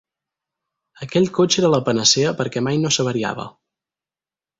Aquell cotxe era la panacea perquè mai no s'avariava.